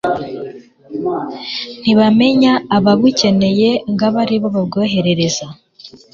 ntibamenya ababukeneye ngo abe ari bo babwoherereza